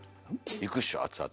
いくっしょ熱々。